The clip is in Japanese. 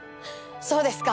そうですか。